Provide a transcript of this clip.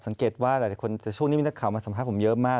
สังเกตว่าหลายคนแต่ช่วงนี้มีนักข่าวมาสัมภาษณ์ผมเยอะมาก